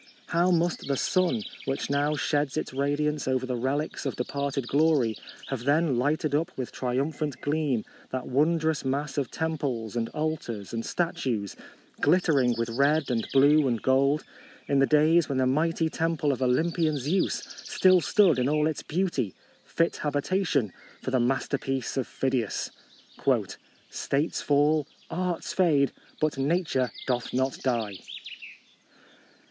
How must the sun, which now sheds its radiance over the relics of departed glory, have then lighted up with triumphant gleam that wondrous mass of tem ples and altars and statues, glitter ing with red and blue and gold, in the days when the mighty temple of Olympian Zeus still stood in all its beauty, fit habitation for the masterpiece of Phidias !'' States fall, arts fade, but Nature doth not die."